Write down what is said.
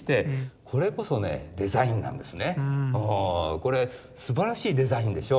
これすばらしいデザインでしょう。